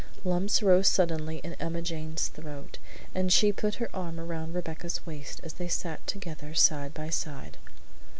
Lumps rose suddenly in Emma Jane's throat, and she put her arm around Rebecca's waist as they sat together side by side.